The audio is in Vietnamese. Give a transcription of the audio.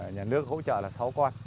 nhà nước hỗ trợ là sáu con